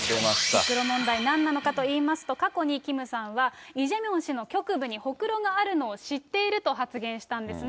ほくろ問題なんなのかといいますと、過去にキムさんは、イ・ジェミョン氏の局部にほくろがあるのを知っていると発言したんですね。